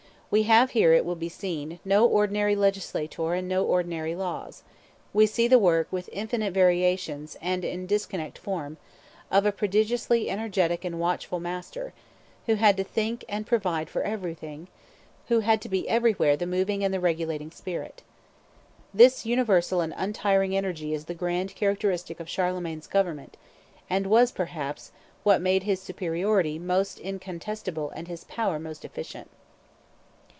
We have here, it will be seen, no ordinary legislator and no ordinary laws: we see the work, with infinite variations and in disconnected form, of a prodigiously energetic and watchful master, who had to think and provide for everything, who had to be everywhere the moving and the regulating spirit. This universal and untiring energy is the grand characteristic of Charlemagne's government, and was, perhaps, what made his superiority most incontestable and his power most efficient.